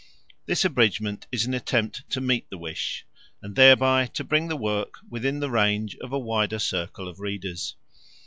This abridgment is an attempt to meet the wish and thereby to bring the work within the range of a wider circle of readers.